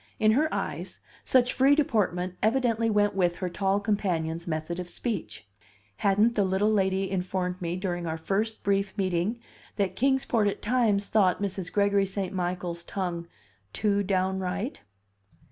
In her eyes, such free deportment evidently went with her tall companion's method of speech: hadn't the little lady informed me during our first brief meeting that Kings Port at times thought Mrs. Gregory St. Michael's tongue "too downright"?